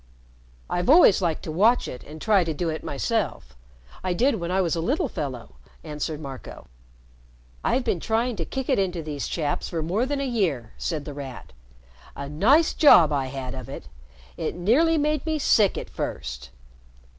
"I've always liked to watch it and try to do it myself. I did when I was a little fellow," answered Marco. "I've been trying to kick it into these chaps for more than a year," said The Rat. "A nice job I had of it! It nearly made me sick at first."